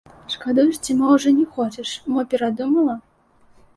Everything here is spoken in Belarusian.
Шкадуеш ці мо ўжо не хочаш, мо перадумала?